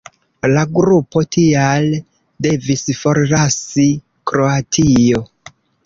La grupo tial devis forlasi Kroatio.